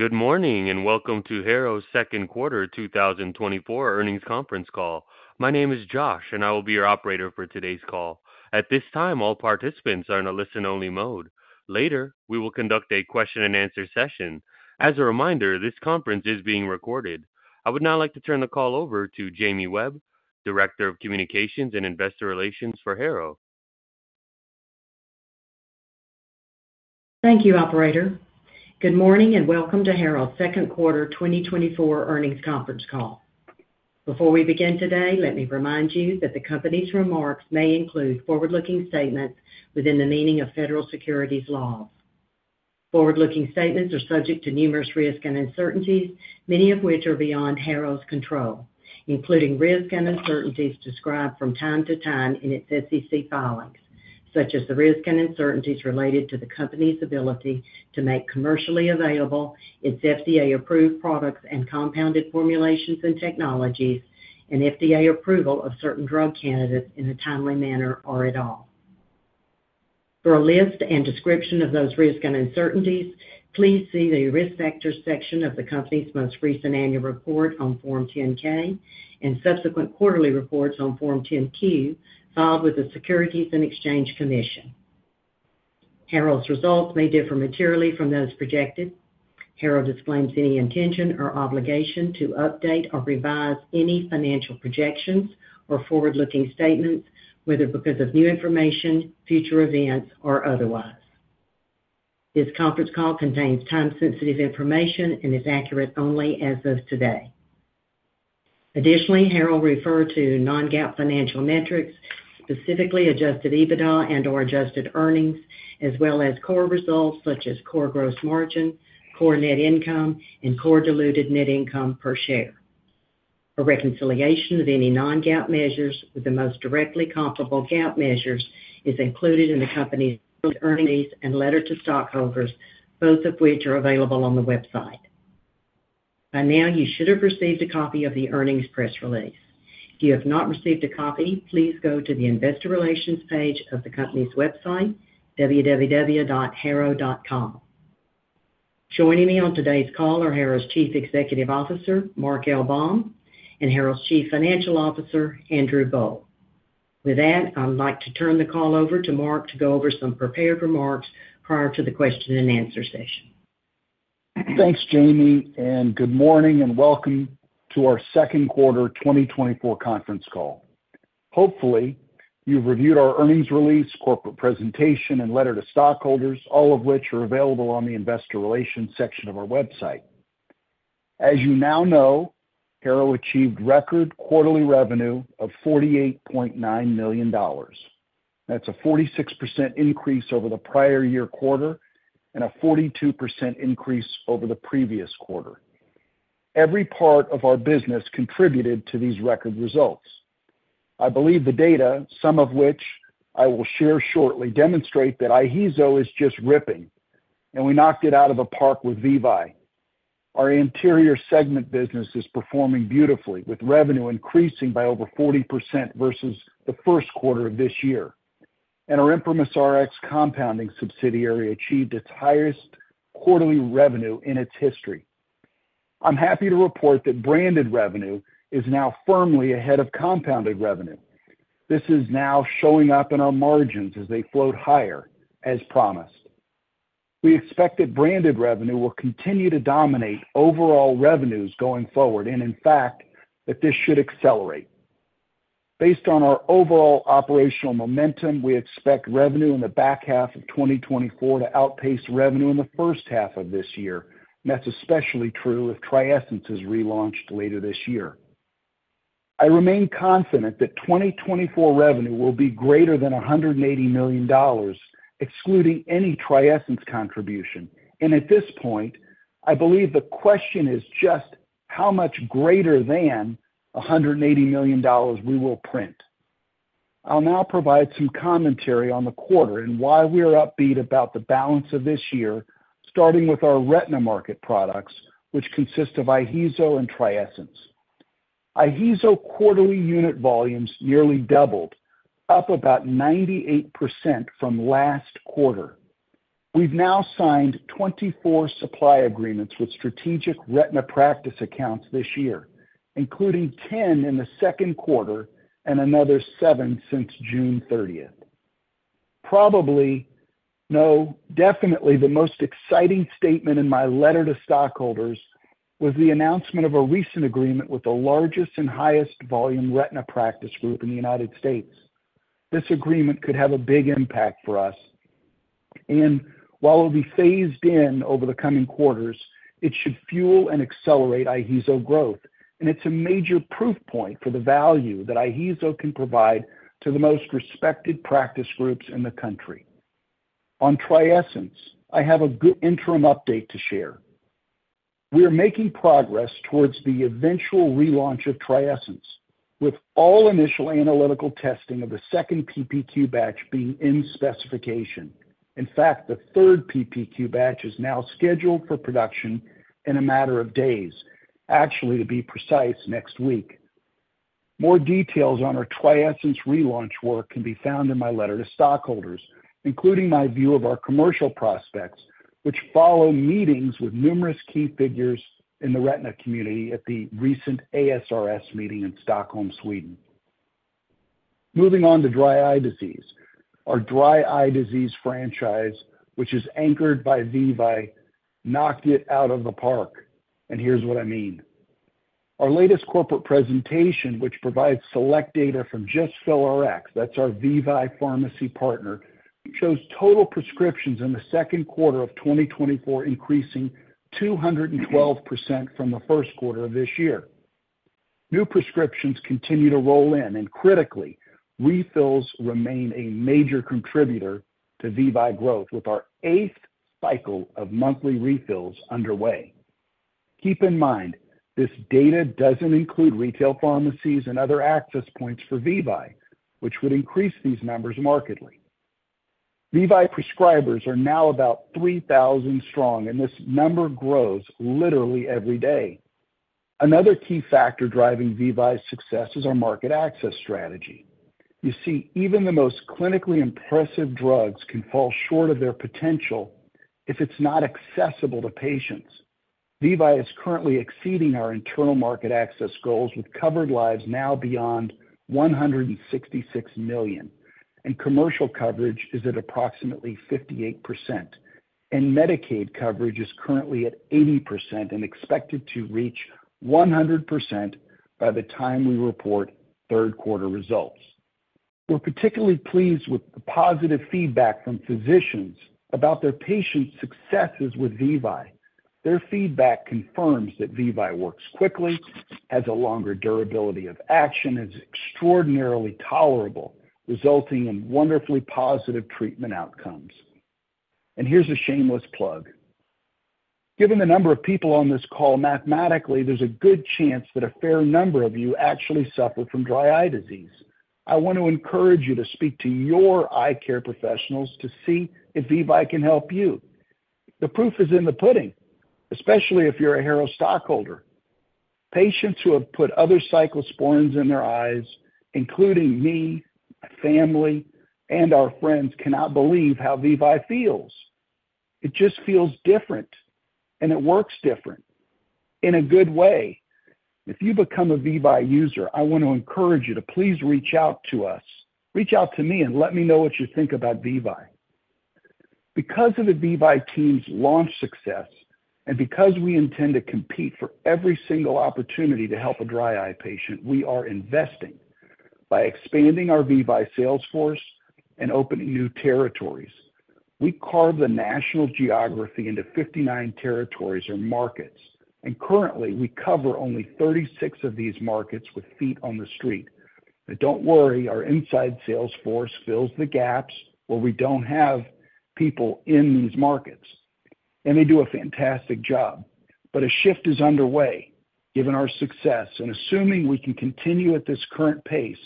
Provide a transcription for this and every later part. Good morning, and welcome to Harrow's second quarter 2024 earnings conference call. My name is Josh, and I will be your operator for today's call. At this time, all participants are in a listen-only mode. Later, we will conduct a question-and-answer session. As a reminder, this conference is being recorded. I would now like to turn the call over to Jamie Webb, Director of Communications and Investor Relations for Harrow. Thank you, operator. Good morning, and welcome to Harrow's second quarter 2024 earnings conference call. Before we begin today, let me remind you that the company's remarks may include forward-looking statements within the meaning of federal securities laws. Forward-looking statements are subject to numerous risks and uncertainties, many of which are beyond Harrow's control, including risks and uncertainties described from time to time in its SEC filings, such as the risks and uncertainties related to the company's ability to make commercially available its FDA-approved products and compounded formulations and technologies, and FDA approval of certain drug candidates in a timely manner or at all. For a list and description of those risks and uncertainties, please see the Risk Factors section of the company's most recent annual report on Form 10-K and subsequent quarterly reports on Form 10-Q, filed with the Securities and Exchange Commission. Harrow's results may differ materially from those projected. Harrow disclaims any intention or obligation to update or revise any financial projections or forward-looking statements, whether because of new information, future events, or otherwise. This conference call contains time-sensitive information and is accurate only as of today. Additionally, Harrow referred to non-GAAP financial metrics, specifically adjusted EBITDA and/or adjusted earnings, as well as core results such as core gross margin, core net income, and core diluted net income per share. A reconciliation of any non-GAAP measures with the most directly comparable GAAP measures is included in the company's earnings and letter to stockholders, both of which are available on the website. By now, you should have received a copy of the earnings press release. If you have not received a copy, please go to the Investor Relations page of the company's website, www.harrow.com. Joining me on today's call are Harrow's Chief Executive Officer, Mark L. Baum, and Harrow's Chief Financial Officer, Andrew Boll. With that, I'd like to turn the call over to Mark to go over some prepared remarks prior to the question-and-answer session. Thanks, Jamie, and good morning, and welcome to our second quarter 2024 conference call. Hopefully, you've reviewed our earnings release, corporate presentation, and letter to stockholders, all of which are available on the Investor Relations section of our website. As you now know, Harrow achieved record quarterly revenue of $48.9 million. That's a 46% increase over the prior year quarter and a 42% increase over the previous quarter. Every part of our business contributed to these record results. I believe the data, some of which I will share shortly, demonstrate that IHEEZO is just ripping, and we knocked it out of the park with VEVYE. Our interior segment business is performing beautifully, with revenue increasing by over 40% versus the first quarter of this year. And our ImprimisRx compounding subsidiary achieved its highest quarterly revenue in its history. I'm happy to report that branded revenue is now firmly ahead of compounded revenue. This is now showing up in our margins as they float higher, as promised. We expect that branded revenue will continue to dominate overall revenues going forward, and in fact, that this should accelerate. Based on our overall operational momentum, we expect revenue in the back half of 2024 to outpace revenue in the first half of this year, and that's especially true if TRIESENCE is relaunched later this year. I remain confident that 2024 revenue will be greater than $180 million, excluding any TRIESENCE contribution. At this point, I believe the question is just how much greater than $180 million we will print. I'll now provide some commentary on the quarter and why we are upbeat about the balance of this year, starting with our retina market products, which consist of IHEEZO and TRIESENCE. IHEEZO quarterly unit volumes nearly doubled, up about 98% from last quarter. We've now signed 24 supply agreements with strategic retina practice accounts this year, including 10 in the second quarter and another seven since June 30th. Definitely the most exciting statement in my letter to stockholders was the announcement of a recent agreement with the largest and highest volume retina practice group in the United States. This agreement could have a big impact for us, and while it'll be phased in over the coming quarters, it should fuel and accelerate IHEEZO growth. It's a major proof point for the value that IHEEZO can provide to the most respected practice groups in the country. On TRIESENCE, I have a good interim update to share. We are making progress towards the eventual relaunch of TRIESENCE, with all initial analytical testing of the second PPQ batch being in specification. In fact, the third PPQ batch is now scheduled for production in a matter of days, actually, to be precise, next week. More details on our TRIESENCE relaunch work can be found in my letter to stockholders, including my view of our commercial prospects, which follow meetings with numerous key figures in the retina community at the recent ASRS meeting in Stockholm, Sweden. Moving on to dry eye disease. Our dry eye disease franchise, which is anchored by VEVYE, knocked it out of the park, and here's what I mean. Our latest corporate presentation, which provides select data from just PhilRx, that's our VEVYE pharmacy partner, shows total prescriptions in the second quarter of 2024, increasing 212% from the first quarter of this year. New prescriptions continue to roll in, and critically, refills remain a major contributor to VEVYE growth, with our eighth cycle of monthly refills underway. Keep in mind, this data doesn't include retail pharmacies and other access points for VEVYE, which would increase these numbers markedly. VEVYE prescribers are now about 3,000 strong, and this number grows literally every day. Another key factor driving VEVYE 's success is our market access strategy. You see, even the most clinically impressive drugs can fall short of their potential if it's not accessible to patients. VEVYE is currently exceeding our internal market access goals, with covered lives now beyond 166 million, and commercial coverage is at approximately 58%, and Medicaid coverage is currently at 80% and expected to reach 100% by the time we report third quarter results. We're particularly pleased with the positive feedback from physicians about their patients' successes with VEVYE. Their feedback confirms that VEVYE works quickly, has a longer durability of action, is extraordinarily tolerable, resulting in wonderfully positive treatment outcomes. And here's a shameless plug: Given the number of people on this call, mathematically, there's a good chance that a fair number of you actually suffer from dry eye disease. I want to encourage you to speak to your eye care professionals to see if VEVYE can help you. The proof is in the pudding, especially if you're a Harrow stockholder. Patients who have put other cyclosporines in their eyes, including me, my family, and our friends, cannot believe how VEVYE feels. It just feels different, and it works different in a good way. If you become a VEVYE user, I want to encourage you to please reach out to us. Reach out to me and let me know what you think about VEVYE. Because of the VEVYE team's launch success, and because we intend to compete for every single opportunity to help a dry eye patient, we are investing by expanding our VEVYE sales force and opening new territories. We carve the national geography into 59 territories or markets, and currently, we cover only 36 of these markets with feet on the street. But don't worry, our inside sales force fills the gaps where we don't have people in these markets, and they do a fantastic job. But a shift is underway, given our success, and assuming we can continue at this current pace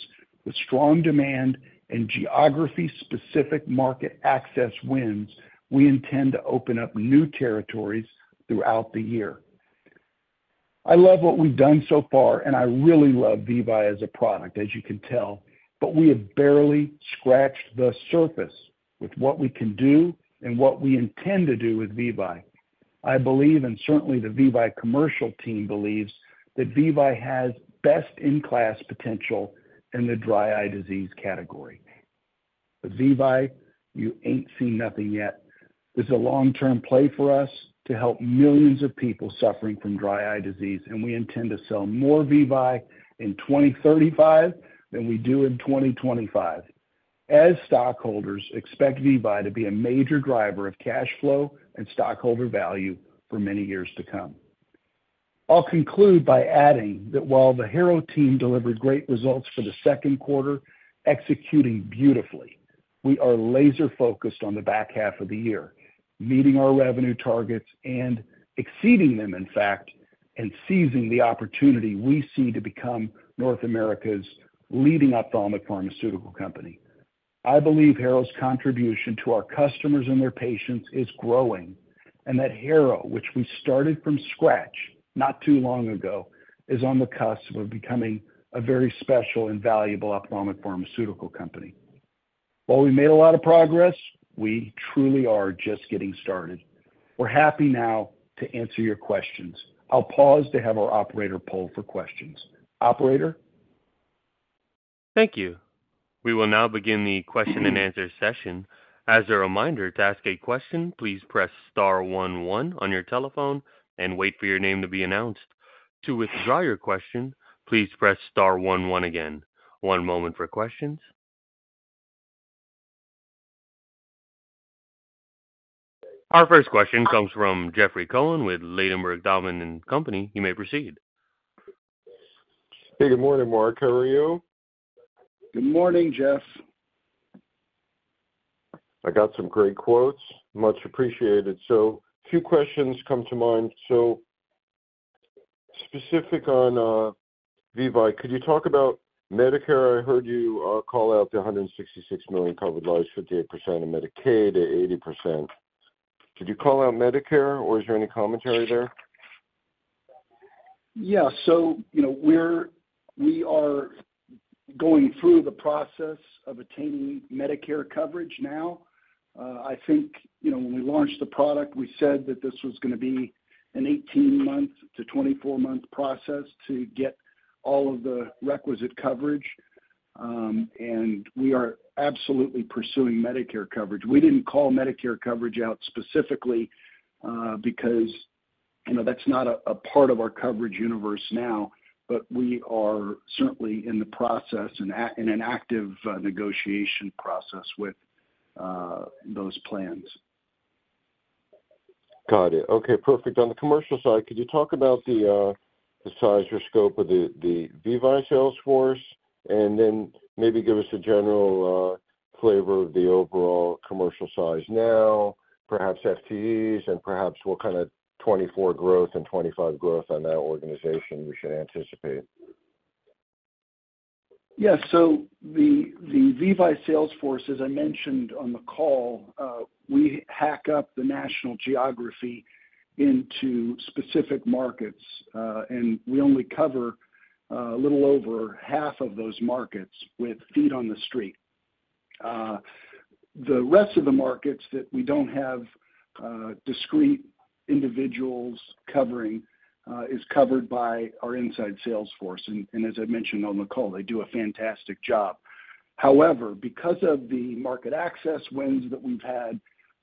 with strong demand and geography-specific market access wins, we intend to open up new territories throughout the year. I love what we've done so far, and I really love VEVYE as a product, as you can tell, but we have barely scratched the surface with what we can do and what we intend to do with VEVYE. I believe, and certainly, the VEVYE commercial team believes, that VEVYE has best-in-class potential in the dry eye disease category. But VEVYE, you ain't seen nothing yet. This is a long-term play for us to help millions of people suffering from dry eye disease, and we intend to sell more VEVYE in 2035 than we do in 2025. As stockholders expect VEVYE to be a major driver of cash flow and stockholder value for many years to come. I'll conclude by adding that while the Harrow team delivered great results for the second quarter, executing beautifully, we are laser-focused on the back half of the year, meeting our revenue targets and exceeding them, in fact, and seizing the opportunity we see to become North America's leading ophthalmic pharmaceutical company. I believe Harrow's contribution to our customers and their patients is growing, and that Harrow, which we started from scratch not too long ago, is on the cusp of becoming a very special and valuable ophthalmic pharmaceutical company. While we made a lot of progress, we truly are just getting started. We're happy now to answer your questions. I'll pause to have our operator poll for questions. Operator? Thank you. We will now begin the question-and-answer session. As a reminder, to ask a question, please press star one one on your telephone and wait for your name to be announced. To withdraw your question, please press star one one again. One moment for questions. Our first question comes from Jeffrey Cohen with Ladenburg Thalmann and Company. You may proceed. Hey, good morning, Mark. How are you? Good morning, Jeff. I got some great quotes. Much appreciated. So two questions come to mind. So specific on VEVYE, could you talk about Medicare? I heard you call out the 166 million covered lives, 58%, and Medicaid at 80%.Did you call out Medicare, or is there any commentary there? Yeah. So, you know, we're, we are going through the process of obtaining Medicare coverage now. I think, you know, when we launched the product, we said that this was gonna be an 18 month to 24 month process to get all of the requisite coverage, and we are absolutely pursuing Medicare coverage. We didn't call Medicare coverage out specifically, because, you know, that's not a, a part of our coverage universe now, but we are certainly in the process, in an active negotiation process with those plans. Got it. Okay, perfect. On the commercial side, could you talk about the size or scope of the VEVYE sales force? And then maybe give us a general flavor of the overall commercial size now, perhaps FTEs, and perhaps what kind of 2024 growth and 2025 growth on that organization we should anticipate? Yes. So the VEVYE sales force, as I mentioned on the call, we break up the national geography into specific markets, and we only cover a little over half of those markets with feet on the street. The rest of the markets that we don't have discrete individuals covering is covered by our inside sales force. And as I mentioned on the call, they do a fantastic job. However, because of the market access wins that we've had,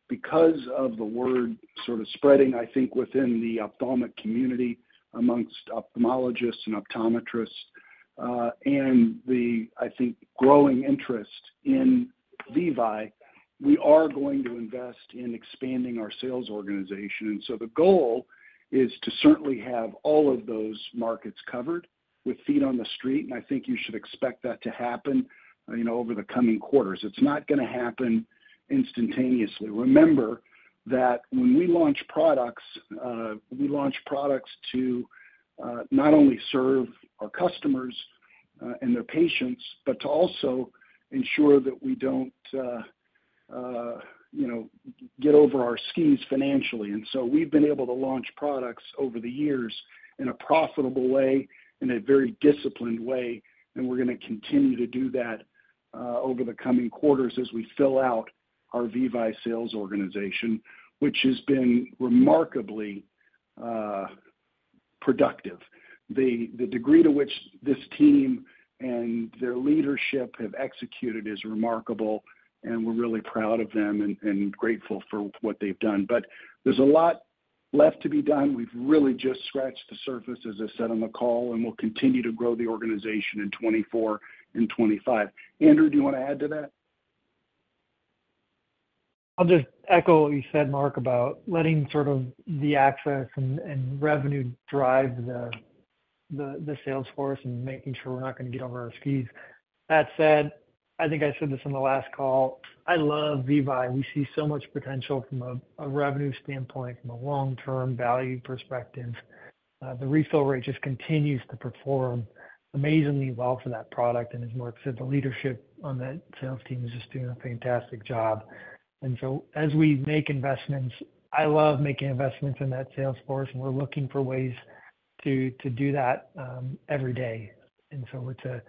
because of the word sort of spreading, I think, within the ophthalmic community, amongst ophthalmologists and optometrists, and the I think growing interest in VEVYE, we are going to invest in expanding our sales organization. So the goal is to certainly have all of those markets covered with feet on the street, and I think you should expect that to happen, you know, over the coming quarters. It's not gonna happen instantaneously. Remember that when we launch products, we launch products to not only serve our customers and their patients, but to also ensure that we don't, you know, get over our skis financially. And so we've been able to launch products over the years in a profitable way, in a very disciplined way, and we're gonna continue to do that over the coming quarters as we fill out our VEVYE sales organization, which has been remarkably productive. The degree to which this team and their leadership have executed is remarkable, and we're really proud of them and grateful for what they've done. But there's a lot left to be done. We've really just scratched the surface, as I said on the call, and we'll continue to grow the organization in 2024 and 2025. Andrew, do you want to add to that? I'll just echo what you said, Mark, about letting sort of the access and revenue drive the sales force and making sure we're not gonna get over our skis. That said, I think I said this on the last call, I love VEVYE. We see so much potential from a revenue standpoint, from a long-term value perspective. The refill rate just continues to perform amazingly well for that product, and as Mark said, the leadership on that sales team is just doing a fantastic job. And so as we make investments, I love making investments in that sales force, and we're looking for ways to do that every day. So it's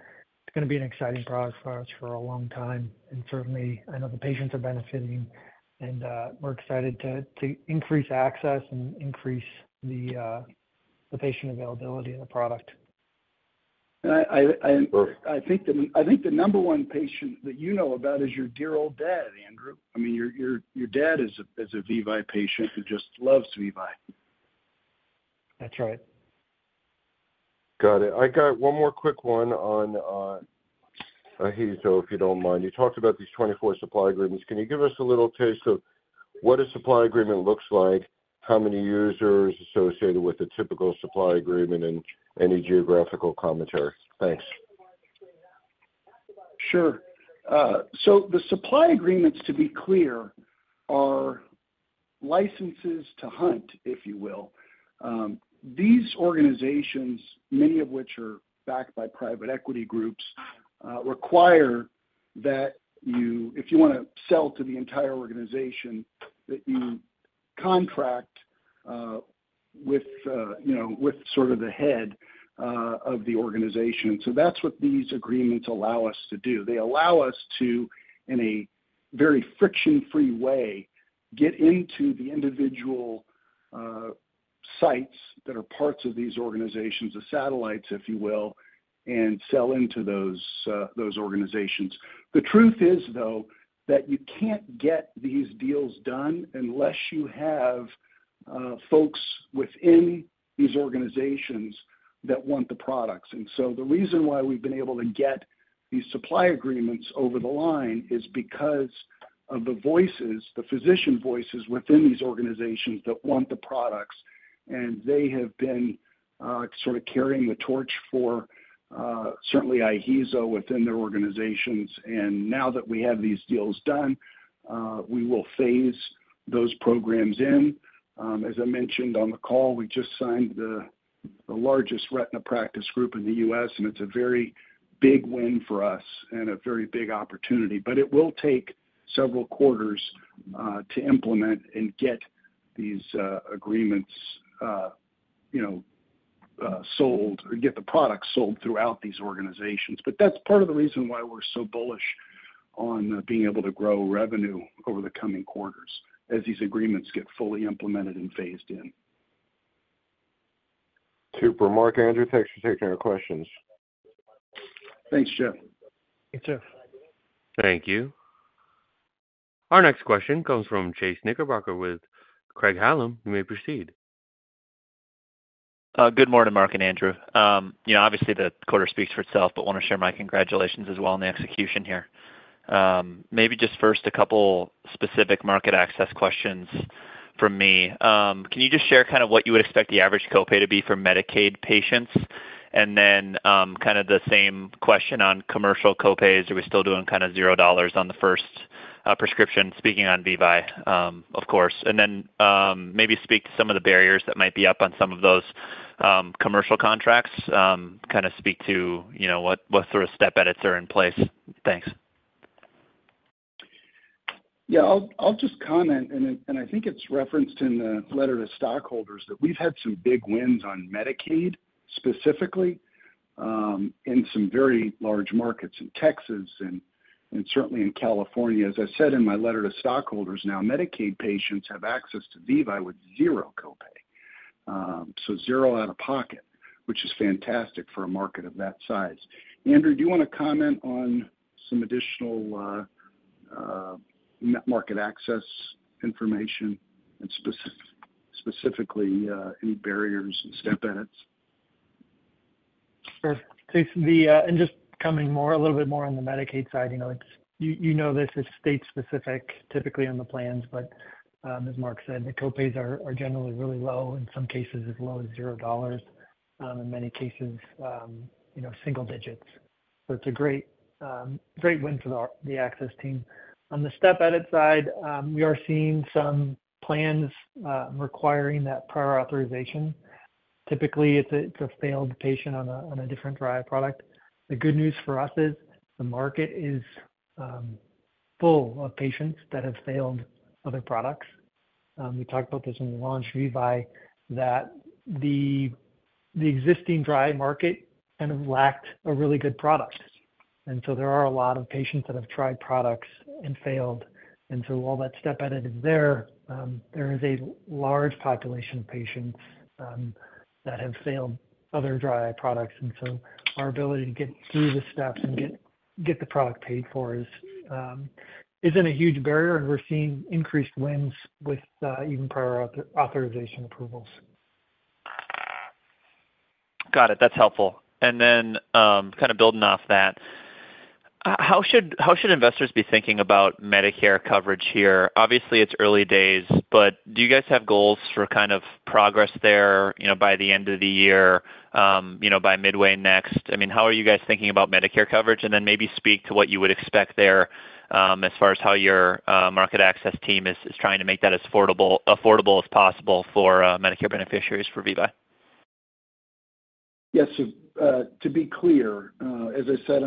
gonna be an exciting product for us for a long time, and certainly, I know the patients are benefiting, and we're excited to increase access and increase the patient availability of the product. And I Perfect. I think the number one patient that you know about is your dear old dad, Andrew. I mean, your dad is a VEVYE patient who just loves VEVYE. That's right. Got it. I got one more quick one on IHEEZO, if you don't mind. You talked about these 24 supply agreements. Can you give us a little taste of what a supply agreement looks like, how many users associated with a typical supply agreement, and any geographical commentary? Thanks. Sure. So the supply agreements, to be clear, are licenses to hunt, if you will. These organizations, many of which are backed by private equity groups, require that you, if you wanna sell to the entire organization, that you contract with, you know, with sort of the head of the organization. So that's what these agreements allow us to do. They allow us to, in a very friction-free way, get into the individual sites that are parts of these organizations, the satellites, if you will, and sell into those organizations. The truth is, though, that you can't get these deals done unless you have folks within these organizations that want the products. And so the reason why we've been able to get these supply agreements over the line is because of the voices, the physician voices within these organizations that want the products, and they have been sort of carrying the torch for certainly IHEEZO within their organizations. And now that we have these deals done, we will phase those programs in. As I mentioned on the call, we just signed the largest retina practice group in the U.S, and it's a very big win for us and a very big opportunity. But it will take several quarters to implement and get these agreements, you know, sold or get the products sold throughout these organizations. But that's part of the reason why we're so bullish on being able to grow revenue over the coming quarters as these agreements get fully implemented and phased in. Super, Mark, Andrew, thanks for taking our questions. Thanks, Jeff. Thanks, Jeff. Thank you. Our next question comes from Chase Knickerbocker with Craig-Hallum. You may proceed. Good morning, Mark and Andrew. You know, obviously, the quarter speaks for itself, but want to share my congratulations as well on the execution here. Maybe just first, a couple specific market access questions from me. Can you just share kind of what you would expect the average copay to be for Medicaid patients? And then, kind of the same question on commercial copays. Are we still doing kind of zero dollars on the first prescription, speaking on VEVYE, of course. And then, maybe speak to some of the barriers that might be up on some of those commercial contracts, kind of speak to, you know, what, what sort of step edits are in place. Thanks. Yeah, I'll just comment, and I think it's referenced in the letter to stockholders, that we've had some big wins on Medicaid, specifically, in some very large markets in Texas and certainly in California. As I said in my letter to stockholders, now Medicaid patients have access to VEVYE with zero copay. So zero out of pocket, which is fantastic for a market of that size. Andrew, do you want to comment on some additional net market access information and specifically, any barriers and step edits? Sure. Thanks. And just coming more, a little bit more on the Medicaid side, you know, it's, you, you know this, it's state specific, typically on the plans, but, as Mark said, the copays are, are generally really low, in some cases as low as zero dollars, in many cases, you know, single digits. So it's a great win for the access team. On the step edit side, we are seeing some plans requiring that prior authorization. Typically, it's a failed patient on a different dry eye product. The good news for us is the market is full of patients that have failed other products. We talked about this when we launched VEVYE, that the existing dry eye market kind of lacked a really good product. And so there are a lot of patients that have tried products and failed, and so while that step edit is there, there is a large population of patients that have failed other dry eye products. And so our ability to get through the steps and get the product paid for isn't a huge barrier, and we're seeing increased wins with even prior authorization approvals. Got it. That's helpful. And then, kind of building off that, how should investors be thinking about Medicare coverage here? Obviously, it's early days, but do you guys have goals for kind of progress there, you know, by the end of the year, you know, by midway next? I mean, how are you guys thinking about Medicare coverage, and then maybe speak to what you would expect there, as far as how your market access team is trying to make that as affordable as possible for Medicare beneficiaries for VEVYE? Yes, so, to be clear, as I said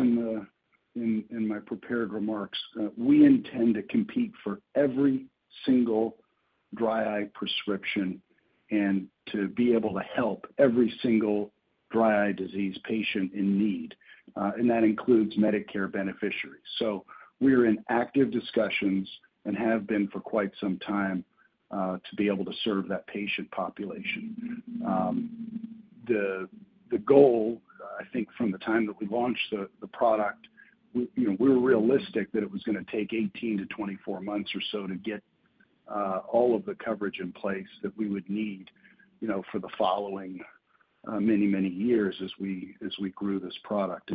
in my prepared remarks, we intend to compete for every single dry eye prescription and to be able to help every single dry eye disease patient in need, and that includes Medicare beneficiaries. So we're in active discussions and have been for quite some time, to be able to serve that patient population. The goal, I think, from the time that we launched the product, you know, we were realistic that it was gonna take 18-24 months or so to get all of the coverage in place that we would need, you know, for the following many, many years as we grew this product.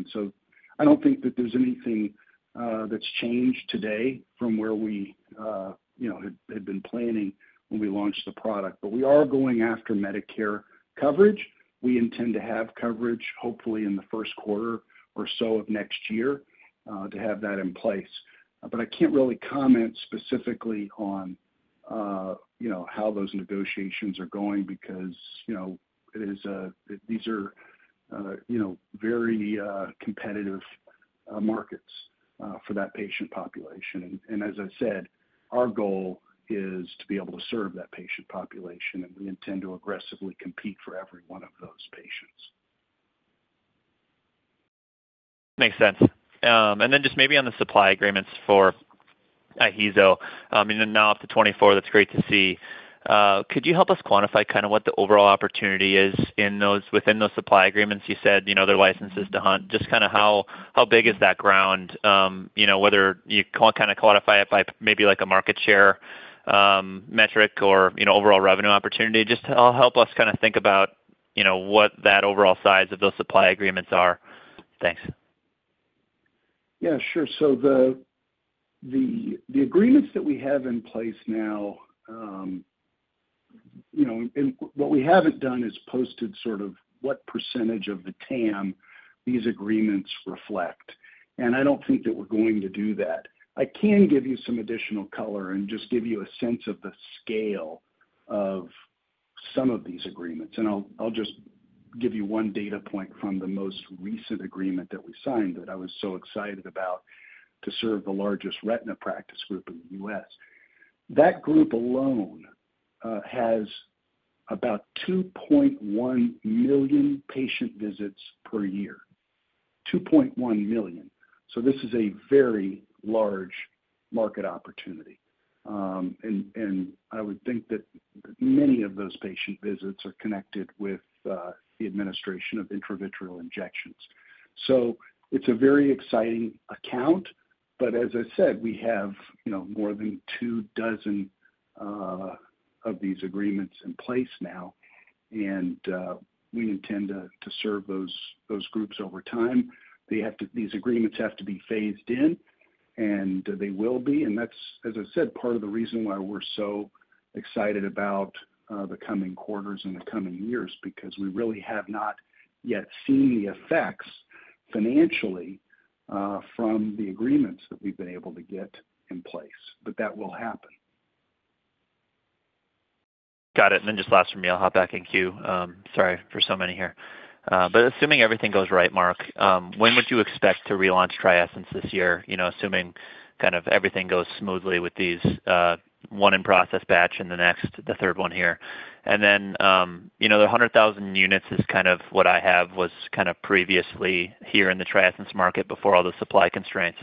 I don't think that there's anything that's changed today from where we you know had been planning when we launched the product. But we are going after Medicare coverage. We intend to have coverage, hopefully in the first quarter or so of next year, to have that in place. But I can't really comment specifically on you know how those negotiations are going because you know these are very competitive markets for that patient population. And as I said, our goal is to be able to serve that patient population, and we intend to aggressively compete for every one of those patients. Makes sense. And then just maybe on the supply agreements for VEVYE, I mean, now up to 24, that's great to see. Could you help us quantify kind of what the overall opportunity is in those, within those supply agreements? You said, you know, their license is to hunt. Just kind of how, how big is that ground? You know, whether you can kind of quantify it by maybe like a market share metric or, you know, overall revenue opportunity. Just help us kind of think about, you know, what that overall size of those supply agreements are. Thanks. Yeah, sure. So the agreements that we have in place now, you know, and what we haven't done is posted sort of what percentage of the TAM, these agreements reflect, and I don't think that we're going to do that. I can give you some additional color and just give you a sense of the scale of some of these agreements, and I'll just give you one data point from the most recent agreement that we signed that I was so excited about to serve the largest retina practice group in the U.S. That group alone has about 2.1 million patient visits per year, 2.1 million. So this is a very large market opportunity. And I would think that many of those patient visits are connected with the administration of intravitreal injections. So it's a very exciting account. But as I said, we have, you know, more than two dozen of these agreements in place now, and we intend to serve those groups over time. They have to. These agreements have to be phased in, and they will be. And that's, as I said, part of the reason why we're so excited about the coming quarters and the coming years, because we really have not yet seen the effects financially from the agreements that we've been able to get in place. But that will happen. Got it. And then just last from me, I'll hop back in queue. Sorry for so many here. But assuming everything goes right, Mark, when would you expect to relaunch TRIESENCE this year? You know, assuming kind of everything goes smoothly with these, one in process batch and the next, the third one here. And then, you know, the 100,000 units is kind of what I have was kind of previously here in the TRIESENCE market before all the supply constraints.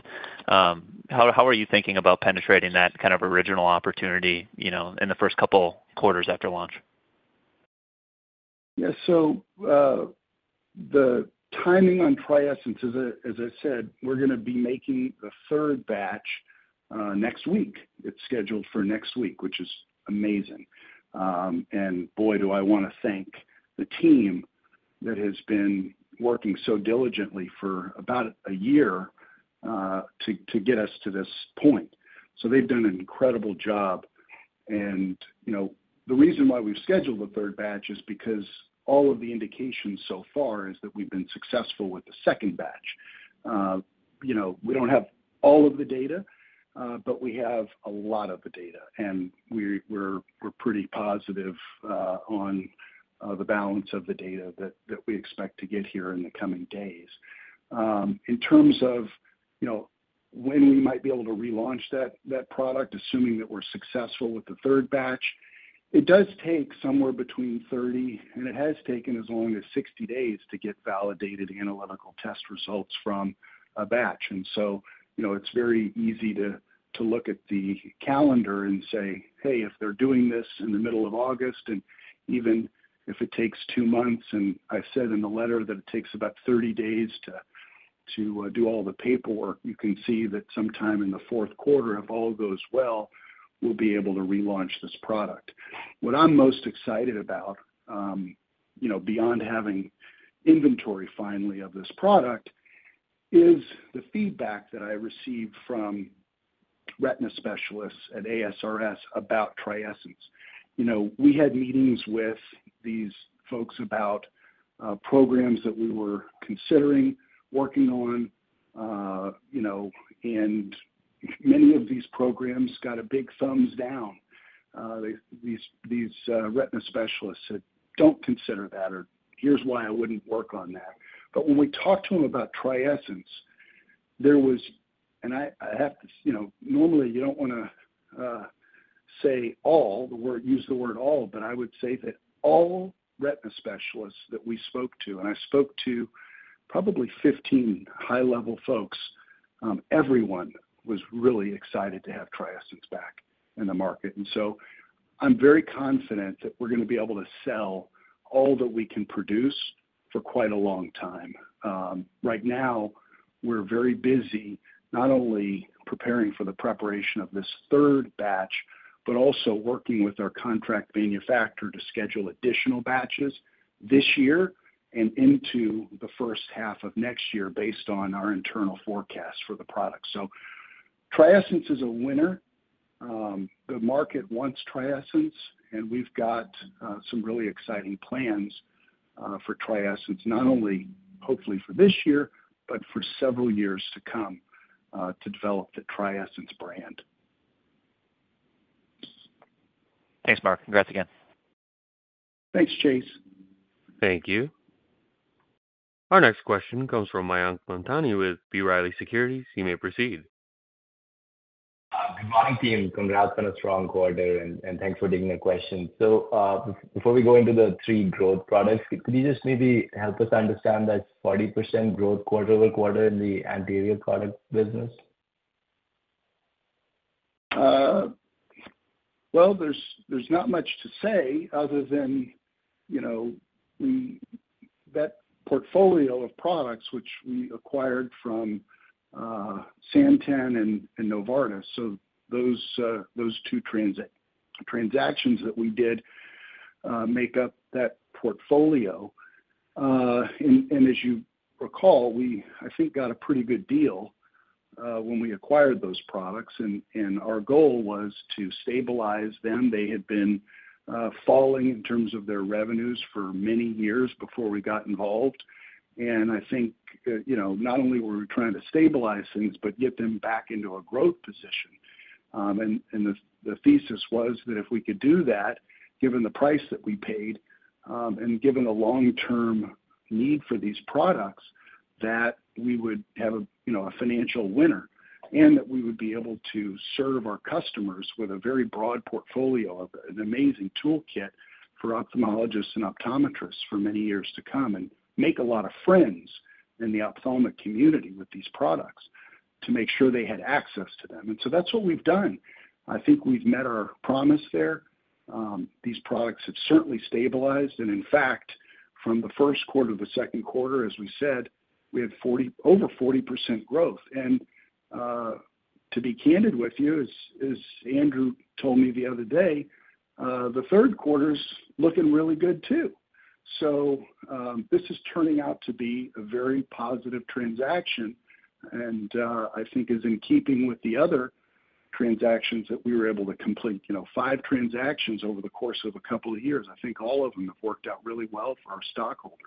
How, how are you thinking about penetrating that kind of original opportunity, you know, in the first couple quarters after launch? Yeah. So, the timing on TRIESENCE, as I, as I said, we're gonna be making the third batch, next week. It's scheduled for next week, which is amazing. And boy, do I wanna thank the team that has been working so diligently for about a year, to, to get us to this point. So they've done an incredible job. And, you know, the reason why we've scheduled the third batch is because all of the indications so far is that we've been successful with the second batch. You know, we don't have all of the data, but we have a lot of the data, and we're, we're pretty positive, on the balance of the data that, that we expect to get here in the coming days. In terms of, you know, when we might be able to relaunch that, that product, assuming that we're successful with the third batch, it does take somewhere between 30, and it has taken as long as 60 days to get validated analytical test results from a batch. And so, you know, it's very easy to look at the calendar and say, "Hey, if they're doing this in the middle of August, and even if it takes two months," and I said in the letter that it takes about 30 days to do all the paperwork, you can see that sometime in the fourth quarter, if all goes well, we'll be able to relaunch this product. What I'm most excited about, you know, beyond having inventory finally of this product, is the feedback that I received from retina specialists at ASRS about TRIESENCE. You know, we had meetings with these folks about programs that we were considering working on, you know, and many of these programs got a big thumbs down. These retina specialists said, "Don't consider that," or, "Here's why I wouldn't work on that." But when we talked to them about TRIESENCE, there was... I have to, you know, normally you don't wanna say all the word, use the word all, but I would say that all retina specialists that we spoke to, and I spoke to probably 15 high-level folks, everyone was really excited to have TRIESENCE back in the market. And so I'm very confident that we're gonna be able to sell all that we can produce for quite a long time. Right now, we're very busy, not only preparing for the preparation of this third batch, but also working with our contract manufacturer to schedule additional batches this year and into the first half of next year, based on our internal forecast for the product. So TRIESENCE is a winner. The market wants TRIESENCE, and we've got some really exciting plans for TRIESENCE, not only hopefully for this year, but for several years to come, to develop the TRIESENCE brand. Thanks, Mark. Congrats again. Thanks, Chase. Thank you. Our next question comes from Mayank Mamtani with B. Riley Securities. You may proceed. Good morning, team. Congrats on a strong quarter, and thanks for taking the question. So, before we go into the three growth products, could you just maybe help us understand that 40% growth quarter-over-quarter in the anterior product business? Well, there's not much to say other than, you know, that portfolio of products which we acquired from Santen and Novartis. So those two transactions that we did make up that portfolio. And as you recall, we, I think, got a pretty good deal when we acquired those products, and our goal was to stabilize them. They had been falling in terms of their revenues for many years before we got involved. And I think, you know, not only were we trying to stabilize things, but get them back into a growth position. The thesis was that if we could do that, given the price that we paid, and given the long-term need for these products, that we would have a, you know, a financial winner, and that we would be able to serve our customers with a very broad portfolio of an amazing toolkit for ophthalmologists and optometrists for many years to come, and make a lot of friends in the ophthalmic community with these products to make sure they had access to them. And so that's what we've done. I think we've met our promise there. These products have certainly stabilized, and in fact, from the first quarter to the second quarter, as we said, we had over 40% growth. And, to be candid with you, as Andrew told me the other day, the third quarter's looking really good, too. So, this is turning out to be a very positive transaction, and, I think is in keeping with the other transactions that we were able to complete. You know, five transactions over the course of a couple of years, I think all of them have worked out really well for our stockholders.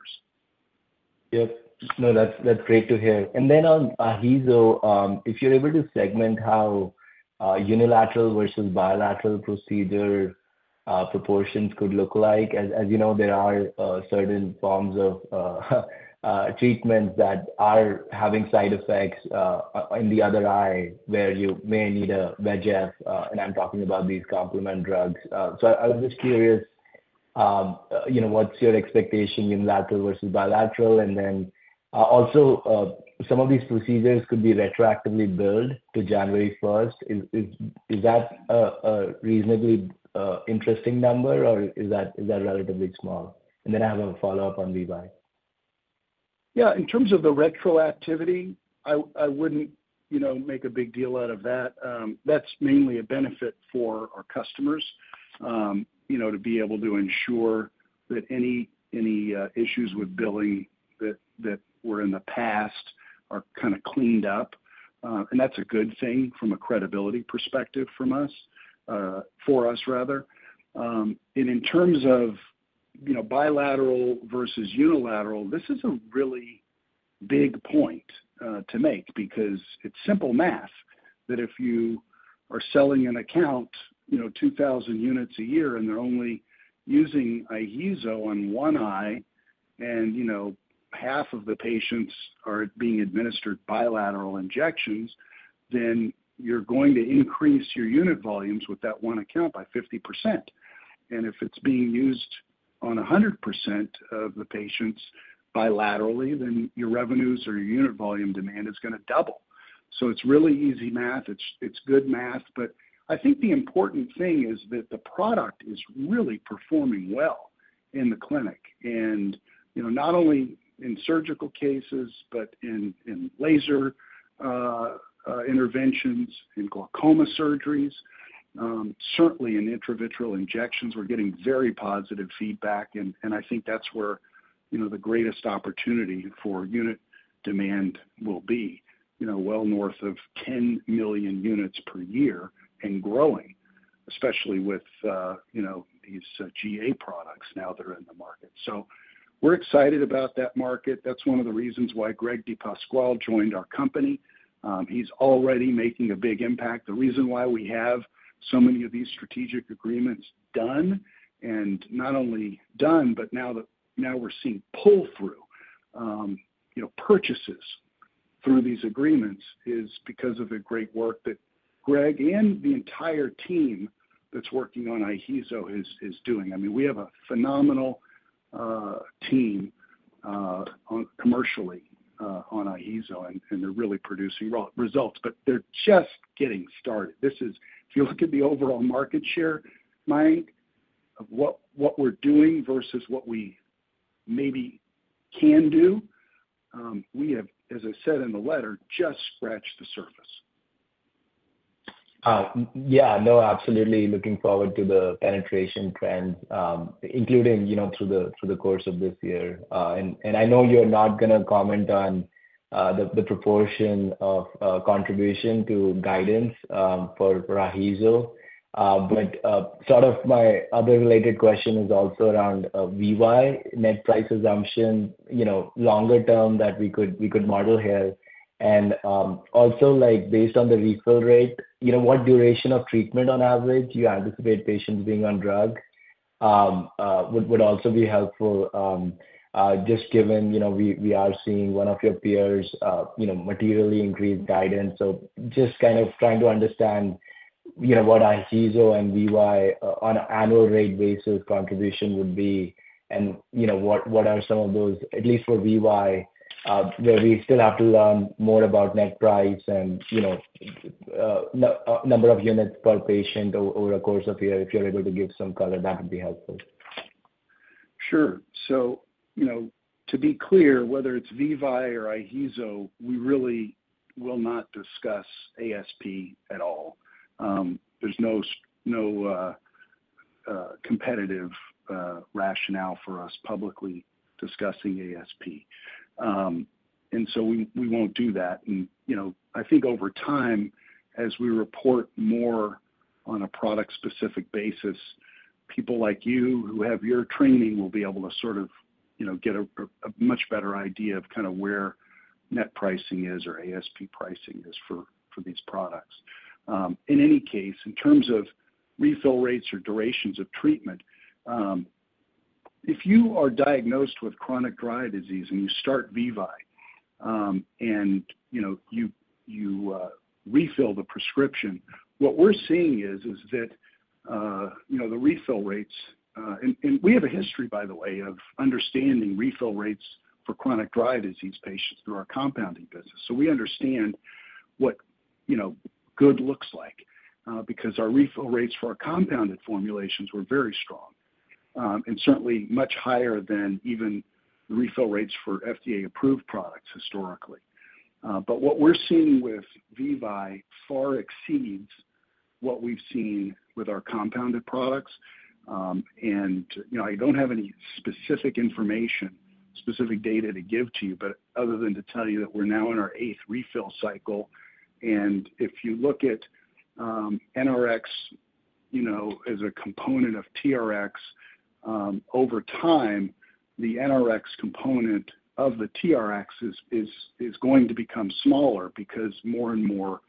Yep. No, that's, that's great to hear. And then on IHEEZO, if you're able to segment how unilateral versus bilateral procedure proportions could look like. As you know, there are certain forms of treatments that are having side effects on the other eye, where you may need a VEGF, and I'm talking about these VEGF drugs. So I was just curious, you know, what's your expectation in lateral versus bilateral? And then also, some of these procedures could be retroactively billed to January first. Is that a reasonably interesting number, or is that relatively small? And then I have a follow-up on VEVYE. Yeah, in terms of the retroactivity, I wouldn't, you know, make a big deal out of that. That's mainly a benefit for our customers, you know, to be able to ensure that issues with billing that were in the past are kinda cleaned up. And that's a good thing from a credibility perspective from us, for us, rather. And in terms of, you know, bilateral versus unilateral, this is a really big point, to make, because it's simple math, that if you are selling an account, you know, 2,000 units a year, and they're only using IHEEZO on one eye, and, you know, half of the patients are being administered bilateral injections, then you're going to increase your unit volumes with that one account by 50%. And if it's being used on 100% of the patients bilaterally, then your revenues or your unit volume demand is gonna double. So it's really easy math. It's, it's good math. But I think the important thing is that the product is really performing well in the clinic, and, you know, not only in surgical cases, but in, in laser interventions, in glaucoma surgeries, certainly in intravitreal injections. We're getting very positive feedback, and, and I think that's where, you know, the greatest opportunity for unit demand will be, you know, well north of 10 million units per year and growing, especially with, you know, these GA products now that are in the market. So we're excited about that market. That's one of the reasons why Greg DiPasquale joined our company. He's already making a big impact. The reason why we have so many of these strategic agreements done, and not only done, but now we're seeing pull-through, you know, purchases through these agreements, is because of the great work that Greg and the entire team that's working on IHEEZO is doing. I mean, we have a phenomenal team on commercially on IHEEZO, and they're really producing results, but they're just getting started. This is. If you look at the overall market share, Mike, of what we're doing versus what we maybe can do, we have, as I said in the letter, just scratched the surface. Yeah, no, absolutely looking forward to the penetration trends, including, you know, through the course of this year. And I know you're not gonna comment on the proportion of contribution to guidance for IHEEZO. But sort of my other related question is also around VEVYE, net price assumption, you know, longer term that we could model here. And also, like, based on the refill rate, you know, what duration of treatment on average do you anticipate patients being on drug? Would also be helpful just given, you know, we are seeing one of your peers, you know, materially increase guidance. So just kind of trying to understand, you know, what IHEEZO and VEVYE on an annual rate basis contribution would be, and, you know, what, what are some of those, at least for VEVYE, where we still have to learn more about net price and, you know, number of units per patient over the course of the year. If you're able to give some color, that would be helpful. Sure. So, you know, to be clear, whether it's VEVYE or IHEEZO, we really will not discuss ASP at all. There's no competitive rationale for us publicly discussing ASP. And so we won't do that. And, you know, I think over time, as we report more on a product-specific basis, people like you who have your training will be able to sort of, you know, get a much better idea of kind of where net pricing is or ASP pricing is for these products. In any case, in terms of refill rates or durations of treatment, if you are diagnosed with chronic dry eye disease and you start VEVYE, and, you know, you refill the prescription, what we're seeing is that, you know, the refill rates. We have a history, by the way, of understanding refill rates for chronic dry eye disease patients through our compounding business. So we understand what, you know, good looks like, because our refill rates for our compounded formulations were very strong, and certainly much higher than even the refill rates for FDA-approved products historically. But what we're seeing with VEVYE far exceeds what we've seen with our compounded products. And, you know, I don't have any specific information, specific data to give to you, but other than to tell you that we're now in our eighth refill cycle. If you look at NRX, you know, as a component of TRX, over time, the NRX component of the TRX is going to become smaller because more and more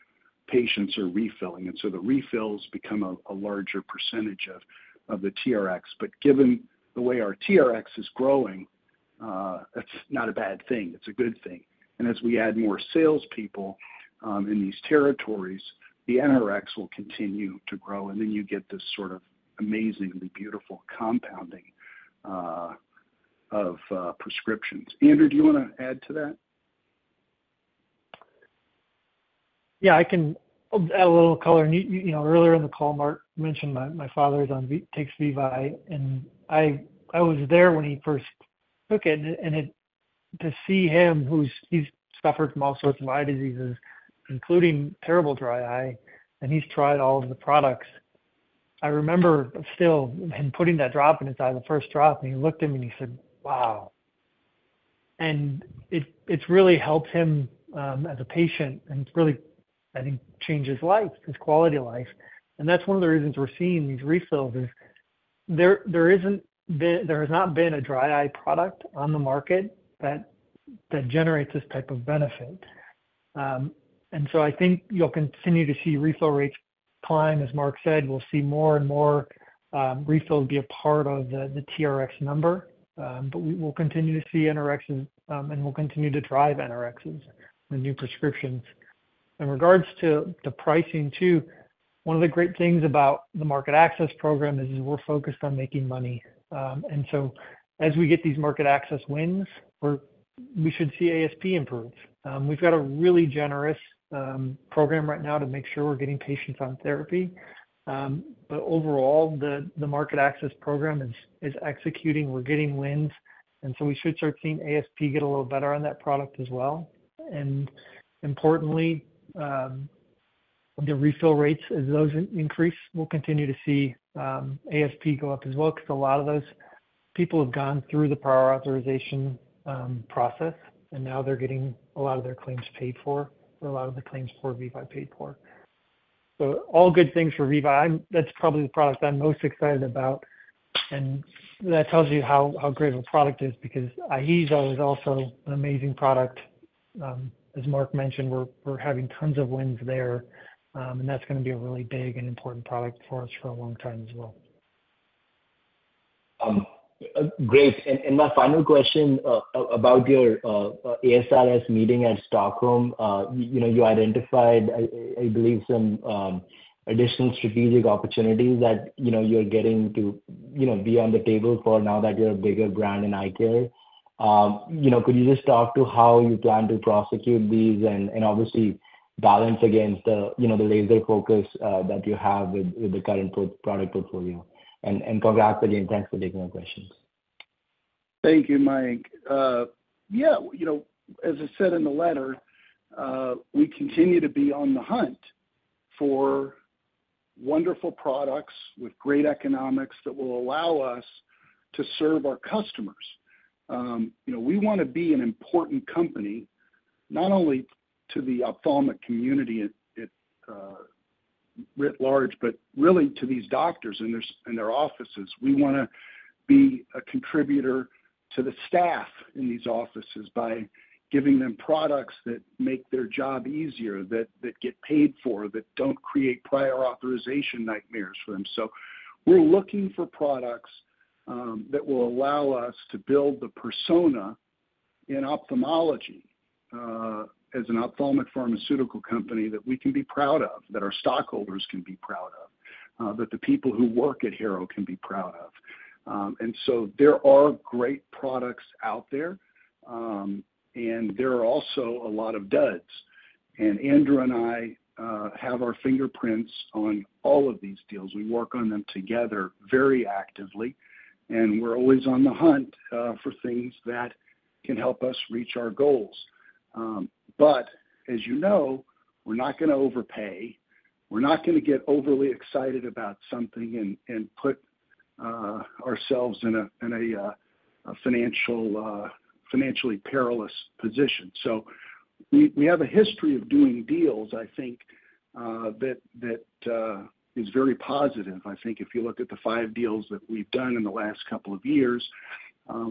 patients are refilling, and so the refills become a larger percentage of the TRX. But given the way our TRX is growing, that's not a bad thing. It's a good thing. And as we add more salespeople in these territories, the NRX will continue to grow, and then you get this sort of amazingly beautiful compounding of prescriptions. Andrew, do you wanna add to that? Yeah, I can add a little color. You know, earlier in the call, Mark mentioned my father is on VEVYE, and I was there when he first took it, and to see him, who's suffered from all sorts of eye diseases, including terrible dry eye, and he's tried all of the products. I remember still him putting that drop in his eye, the first drop, and he looked at me and he said, "Wow!" And it's really helped him as a patient, and it's really, I think, changed his life, his quality of life. And that's one of the reasons we're seeing these refills is there has not been a dry eye product on the market that generates this type of benefit. So I think you'll continue to see refill rates climb. As Mark said, we'll see more and more refills be a part of the TRX number. But we will continue to see NRXs, and we'll continue to drive NRXs with new prescriptions. In regards to the pricing, too, one of the great things about the market access program is we're focused on making money. And so as we get these market access wins, we should see ASP improve. We've got a really generous program right now to make sure we're getting patients on therapy. But overall, the market access program is executing. We're getting wins, and so we should start seeing ASP get a little better on that product as well. And importantly, the refill rates, as those increase, we'll continue to see, ASP go up as well, because a lot of those people have gone through the prior authorization process, and now they're getting a lot of their claims paid for, or a lot of the claims for VEVYE paid for. So all good things for VEVYE. That's probably the product I'm most excited about, and that tells you how great of a product it is, because IHEEZO is also an amazing product. As Mark mentioned, we're having tons of wins there, and that's gonna be a really big and important product for us for a long time as well. Great. And my final question about your ASRS meeting at Stockholm. You know, you identified, I believe, some additional strategic opportunities that, you know, you're getting to be on the table for now that you're a bigger brand in eye care. You know, could you just talk to how you plan to prosecute these and obviously balance against the, you know, the laser focus that you have with the current product portfolio? And congrats again, and thanks for taking my questions. Thank you, Mayank. Yeah, you know, as I said in the letter, we continue to be on the hunt for wonderful products with great economics that will allow us to serve our customers. You know, we wanna be an important company, not only to the ophthalmic community writ large, but really to these doctors and their staff and their offices. We wanna be a contributor to the staff in these offices by giving them products that make their job easier, that get paid for, that don't create prior authorization nightmares for them. So we're looking for products that will allow us to build the persona in ophthalmology as an ophthalmic pharmaceutical company that we can be proud of, that our stockholders can be proud of, that the people who work at Harrow can be proud of. And so there are great products out there, and there are also a lot of duds. And Andrew and I have our fingerprints on all of these deals. We work on them together very actively, and we're always on the hunt for things that can help us reach our goals. But as you know, we're not gonna overpay. We're not gonna get overly excited about something and put ourselves in a financially perilous position. So we have a history of doing deals, I think, that is very positive. I think if you look at the five deals that we've done in the last couple of years,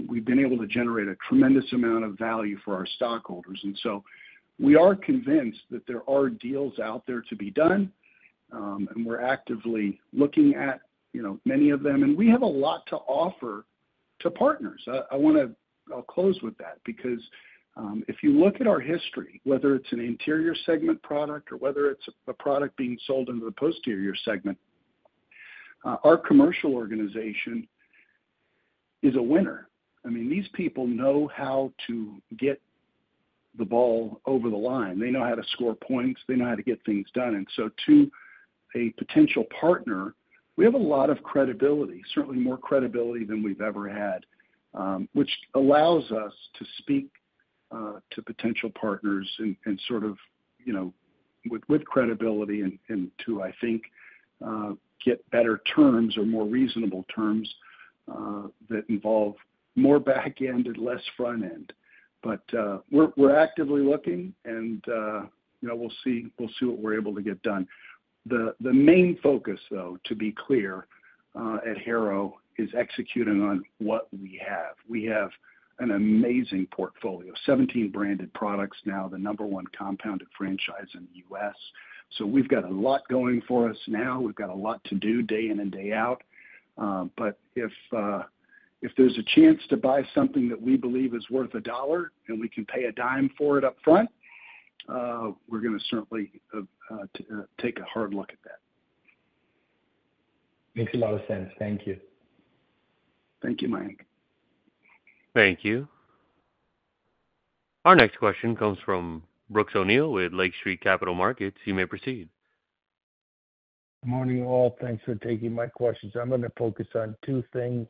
we've been able to generate a tremendous amount of value for our stockholders. So we are convinced that there are deals out there to be done, and we're actively looking at, you know, many of them. And we have a lot to offer to partners. I'll close with that, because if you look at our history, whether it's an anterior segment product or whether it's a product being sold into the posterior segment, our commercial organization is a winner. I mean, these people know how to get the ball over the line. They know how to score points, they know how to get things done. To a potential partner, we have a lot of credibility, certainly more credibility than we've ever had, which allows us to speak to potential partners and sort of, you know, with credibility and to, I think, get better terms or more reasonable terms that involve more back end and less front end. But we're actively looking, and you know, we'll see what we're able to get done. The main focus, though, to be clear, at Harrow, is executing on what we have. We have an amazing portfolio, 17 branded products now, the number one compounded franchise in the U.S. So we've got a lot going for us now. We've got a lot to do day in and day out. But if there's a chance to buy something that we believe is worth a dollar, and we can pay a dime for it upfront, we're gonna certainly take a hard look at that. Makes a lot of sense. Thank you. Thank you, Mayank. Thank you. Our next question comes from Brooks O'Neil with Lake Street Capital Markets. You may proceed. Morning, all. Thanks for taking my questions. I'm gonna focus on two things.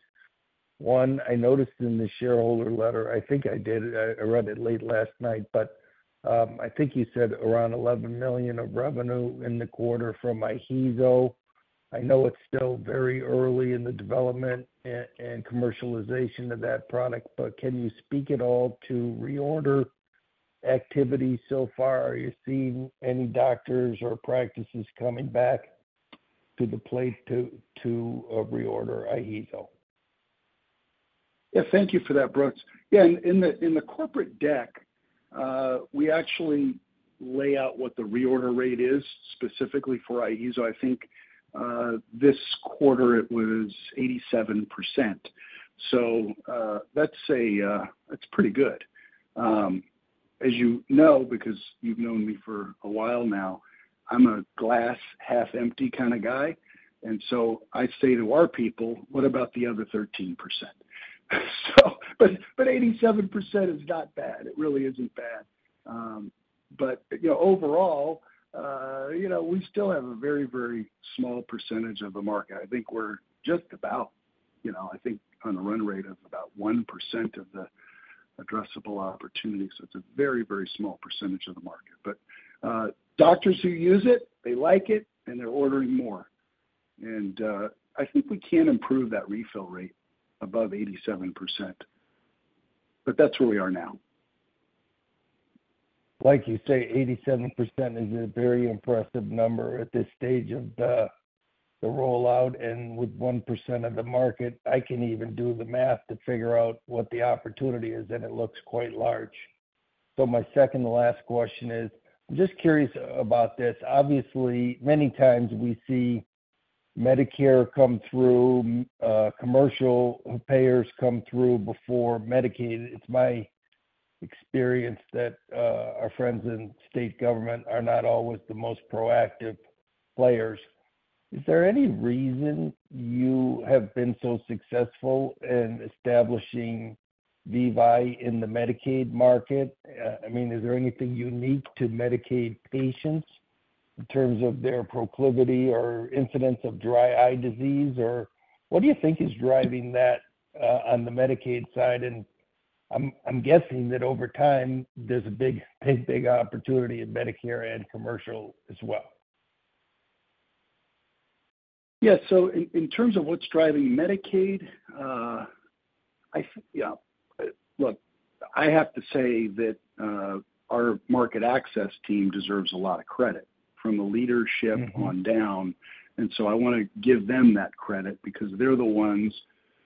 One, I noticed in the shareholder letter, I think I did, I, I read it late last night, but, I think you said around $11 million of revenue in the quarter from IHEEZO. I know it's still very early in the development and commercialization of that product, but can you speak at all to reorder activity so far? Are you seeing any doctors or practices coming back to the place to reorder IHEEZO? Yeah, thank you for that, Brooks. Yeah, in the corporate deck, we actually lay out what the reorder rate is specifically for IHEEZO. I think this quarter it was 87%. So, let's say that's pretty good. As you know, because you've known me for a while now, I'm a glass half empty kind of guy, and so I say to our people: "What about the other 13%?" So, but 87% is not bad. It really isn't bad. But, you know, overall, you know, we still have a very, very small percentage of the market. I think we're just about, you know, I think on a run rate of about 1% of the addressable opportunity. So it's a very, very small percentage of the market. Doctors who use it, they like it, and they're ordering more. I think we can improve that refill rate above 87%, but that's where we are now. Like you say, 87% is a very impressive number at this stage of the rollout. And with 1% of the market, I can even do the math to figure out what the opportunity is, and it looks quite large. So my second to last question is, I'm just curious about this. Obviously, many times we see Medicare come through, commercial payers come through before Medicaid. It's my experience that our friends in state government are not always the most proactive players. Is there any reason you have been so successful in establishing VEVYE in the Medicaid market? I mean, is there anything unique to Medicaid patients in terms of their proclivity or incidence of dry eye disease? Or what do you think is driving that on the Medicaid side? I'm guessing that over time, there's a big, big, big opportunity in Medicare and commercial as well. Yes, so in terms of what's driving Medicaid, look, I have to say that our market access team deserves a lot of credit, from the leadership on down. Mm-hmm. And so I wanna give them that credit because they're the ones,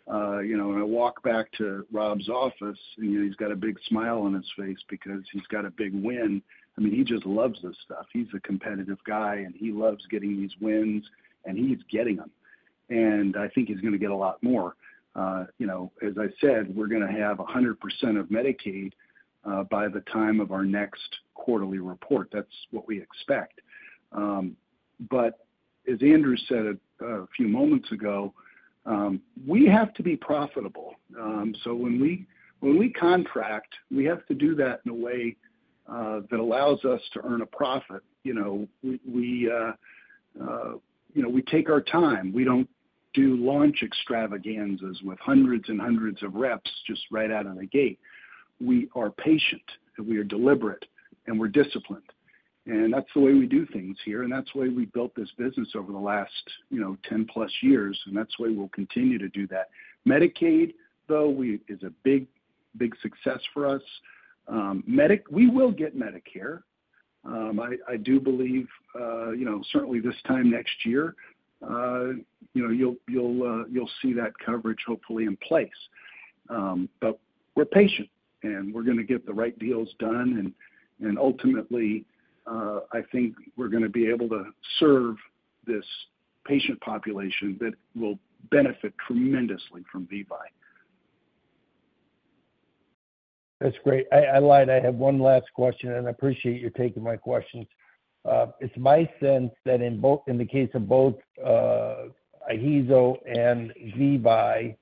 you know, when I walk back to Rob's office, you know, he's got a big smile on his face because he's got a big win. I mean, he just loves this stuff. He's a competitive guy, and he loves getting these wins, and he's getting them. And I think he's gonna get a lot more. You know, as I said, we're gonna have 100% of Medicaid by the time of our next quarterly report. That's what we expect. But as Andrew said a few moments ago, we have to be profitable. So when we, when we contract, we have to do that in a way that allows us to earn a profit. You know, we, we, you know, we take our time. We don't do launch extravaganzas with hundreds and hundreds of reps just right out of the gate. We are patient, and we are deliberate, and we're disciplined. And that's the way we do things here, and that's the way we built this business over the last, you know, 10+ years, and that's the way we'll continue to do that. Medicaid, though, is a big, big success for us. We will get Medicare. I do believe, you know, certainly this time next year, you know, you'll see that coverage hopefully in place. But we're patient, and we're gonna get the right deals done, and ultimately, I think we're gonna be able to serve this patient population that will benefit tremendously from VEVYE. That's great. I, I lied. I have one last question, and I appreciate you taking my questions. It's my sense that in both, in the case of both, IHEEZO and VEVYE,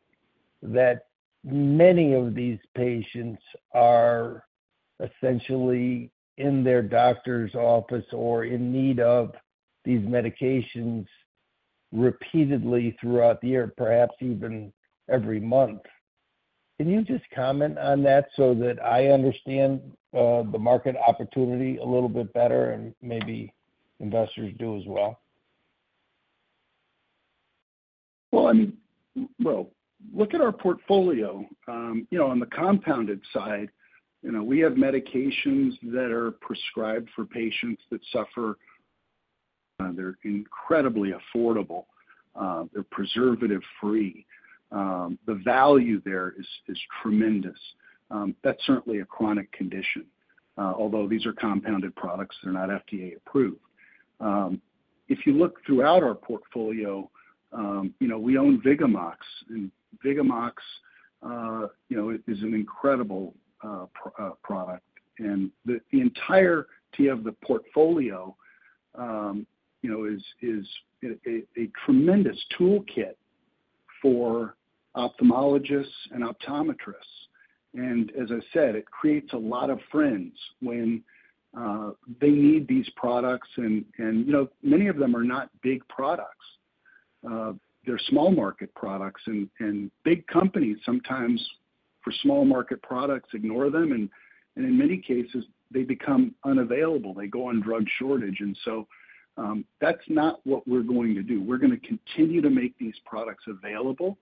that many of these patients are essentially in their doctor's office or in need of these medications repeatedly throughout the year, perhaps even every month. Can you just comment on that so that I understand the market opportunity a little bit better, and maybe investors do as well? Well, I mean, well, look at our portfolio. You know, on the compounded side, you know, we have medications that are prescribed for patients that suffer. They're incredibly affordable. They're preservative-free. The value there is tremendous. That's certainly a chronic condition, although these are compounded products, they're not FDA approved. If you look throughout our portfolio, you know, we own VIGAMOX, and VIGAMOX, you know, is an incredible product. And the entirety of the portfolio, you know, is a tremendous toolkit for ophthalmologists and optometrists. And as I said, it creates a lot of friends when they need these products. And, you know, many of them are not big products. They're small market products, and big companies sometimes, for small market products, ignore them, and in many cases, they become unavailable. They go on drug shortage. So, that's not what we're going to do. We're gonna continue to make these products available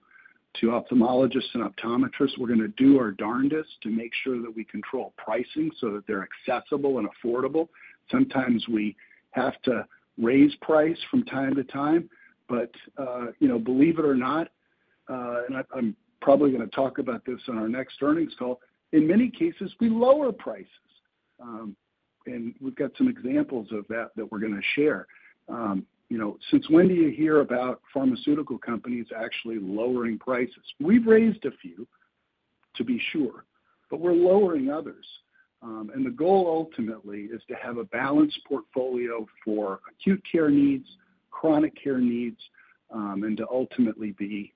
to ophthalmologists and optometrists. We're gonna do our darndest to make sure that we control pricing so that they're accessible and affordable. Sometimes we have to raise price from time to time, but, you know, believe it or not, and I, I'm probably gonna talk about this on our next earnings call, in many cases, we lower prices. And we've got some examples of that we're gonna share. You know, since when do you hear about pharmaceutical companies actually lowering prices? We've raised a few, to be sure, but we're lowering others. The goal ultimately is to have a balanced portfolio for acute care needs, chronic care needs, and to ultimately be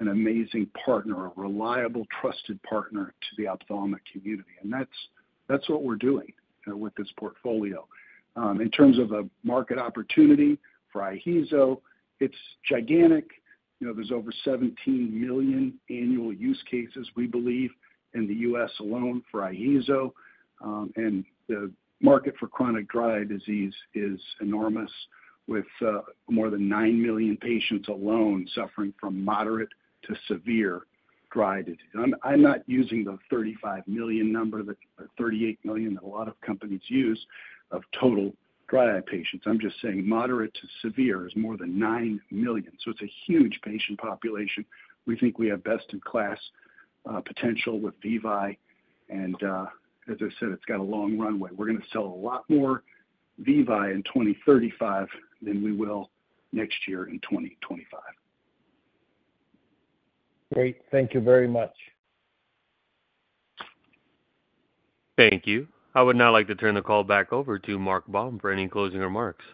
an amazing partner, a reliable, trusted partner to the ophthalmic community. And that's what we're doing with this portfolio. In terms of a market opportunity for IHEEZO, it's gigantic. You know, there's over 17 million annual use cases, we believe, in the U.S. alone for IHEEZO. And the market for chronic dry eye disease is enormous, with more than nine million patients alone suffering from moderate to severe dry eye disease. I'm not using the 35 million number that or 38 million that a lot of companies use of total dry eye patients. I'm just saying moderate to severe is more than nine million, so it's a huge patient population. We think we have best-in-class potential with VEVYE, and, as I said, it's got a long runway. We're gonna sell a lot more VEVYE in 2035 than we will next year in 2025. Great. Thank you very much. Thank you. I would now like to turn the call back over to Mark Baum for any closing remarks.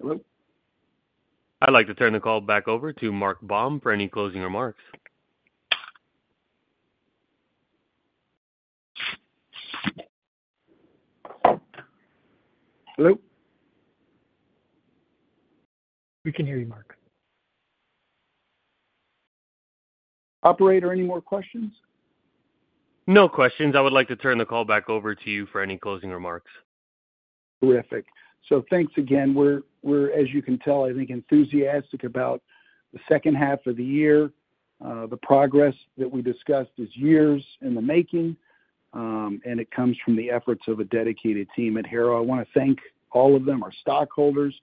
Hello? I'd like to turn the call back over to Mark Baum for any closing remarks. Hello? We can hear you, Mark. Operator, any more questions? No questions. I would like to turn the call back over to you for any closing remarks. Terrific. So thanks again. We're, as you can tell, I think, enthusiastic about the second half of the year. The progress that we discussed is years in the making, and it comes from the efforts of a dedicated team at Harrow. I wanna thank all of them, our stockholders,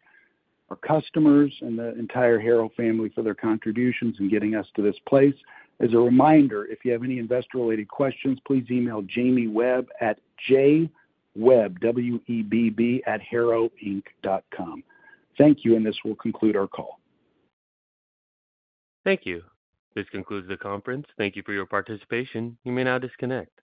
our customers, and the entire Harrow family for their contributions in getting us to this place. As a reminder, if you have any investor-related questions, please email jamiewebb@harrowinc.com. Thank you, and this will conclude our call. Thank you. This concludes the conference. Thank you for your participation. You may now disconnect.